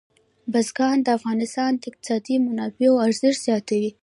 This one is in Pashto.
بزګان د افغانستان د اقتصادي منابعو ارزښت زیاتوي.